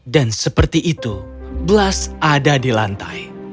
dan seperti itu blas ada di lantai